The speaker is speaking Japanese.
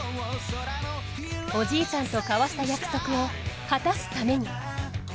おじいちゃんと交わした約束を果たすために。